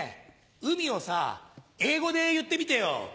海をさ英語で言ってみてよ。